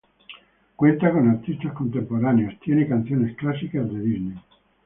Cuenta con artistas contemporáneos "tiene canciones clásicas de Disney".